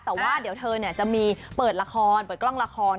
แต่ว่าเดี๋ยวเธอจะมีเปิดละครเปิดกล้องละคร